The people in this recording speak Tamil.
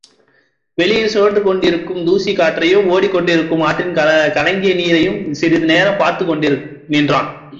வெளியில் சுழன்று கொண்டிருக்கும் தூசிக் காற்றையும் ஓடிக்கொண்டிருக்கும் ஆற்றின் கலங்கிய நீரையும் சிறிது நேரம் பார்த்துக் கொண்டு நின்றான்.